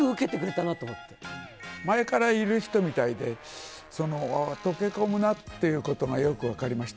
前からいる人みたいで、その、溶け込むなっていうことがよく分かりました。